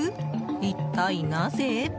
一体なぜ。